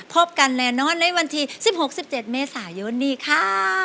พบกันแน่นอนในวันที่สิบหกสิบเจ็ดเมษายนนี้ค่ะ